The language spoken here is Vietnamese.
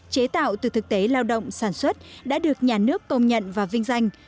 chế tạo từ thực tế lao động sản xuất đã được nhà nước công nhận và vinh danh